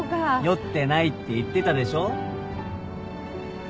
酔ってないって言ってたでしょ。